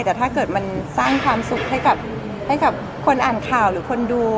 แต่ถ้าเกิดมันสร้างความสุขให้กับคนอ่านข่าวหรือคนดู